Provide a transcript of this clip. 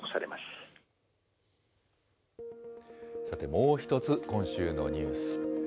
さて、もう一つ、今週のニュース。